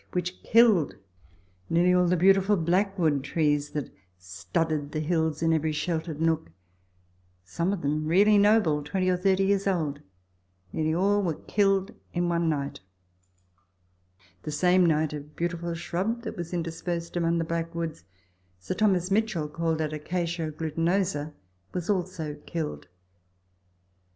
which killed nearly all the beautiful blackwood trees that studded the hills in every sheltered nook some of them really noble, 20 or 30 years old ; nearly all were killed in one night ; the same night a beautiful shrub that was interspersed among the blackwoods (Sir Thomas Mitchell called it acacia glutinosa) was also killed.